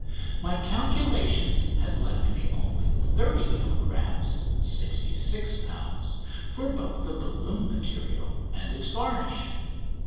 My calculations had left me only 30 kilogrammes (66 lbs.) for both the balloon material and its varnish.